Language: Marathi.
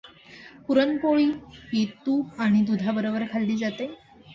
पुरणपोळी ही तुप आणि दुधाबरोबर खाल्ली जाते.